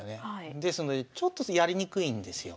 ですのでちょっとやりにくいんですよ。